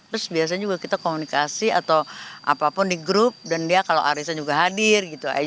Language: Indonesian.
terus biasanya juga kita komunikasi atau apapun di grup dan dia kalau arisnya juga hadir gitu aja